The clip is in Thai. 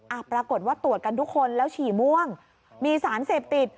ปรากฏว่าตรวจกันทุกคนแล้วฉี่ม่วงมีสารเสพติด